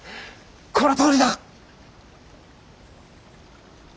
このとおりだ！